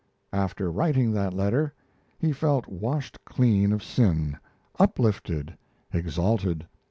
After writing that letter, he felt washed clean of sin, uplifted, exalted.